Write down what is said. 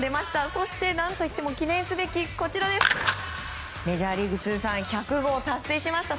そして、何といっても記念すべきメジャーリーグ通算１００号達成しました。